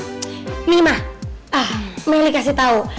ini mah meli kasih tau